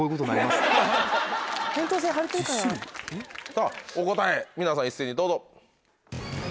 さぁお答え皆さん一斉にどうぞ。